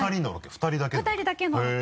２人だけのロケ？